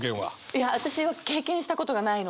いや私は経験したことがないので。